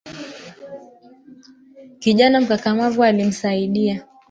Kijana mkakamavu alimsaidia